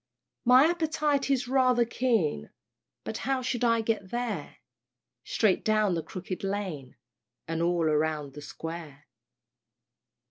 My appetite is rather keen, But how shall I get there? "Straight down the Crooked Lane, And all round the Square."